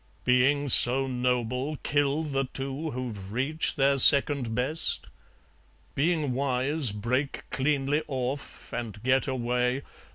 Being so noble, kill the two Who've reached their second best? Being wise, Break cleanly off, and get away.